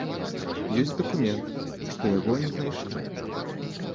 Ёсць дакумент, што яго не знайшлі.